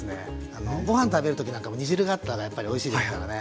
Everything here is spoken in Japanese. あのご飯食べる時なんかも煮汁があったらやっぱりおいしいですからね。